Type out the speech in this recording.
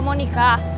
gak mau nikah